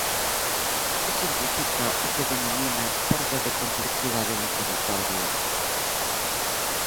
Que significa o que denomina perda de complexidade do territorio?